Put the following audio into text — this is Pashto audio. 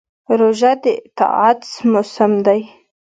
روژه د طاعت موسم دی.